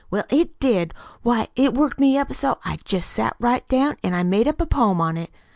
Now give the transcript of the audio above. "Well, it did. Why, it worked me up so I jest sat right down an' made up a poem on it.